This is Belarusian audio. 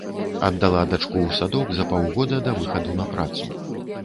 Аддала дачку ў садок за паўгода да выхаду на працу.